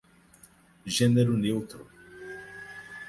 Gênero neutro